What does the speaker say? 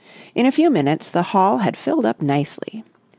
In a few minutes the hall had filled up nicely.